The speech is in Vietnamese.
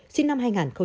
sinh năm hai nghìn bảy